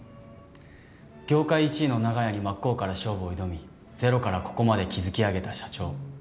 業界１位の長屋に真っ向から勝負を挑みゼロからここまで築き上げた社長。